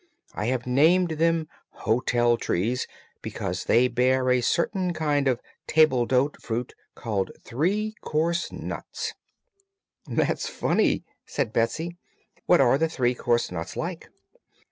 I have named them 'Hotel Trees,' because they bear a certain kind of table d'hote fruit called 'Three Course Nuts.'" "That's funny!" said Betsy. "What are the 'Three Course Nuts' like?"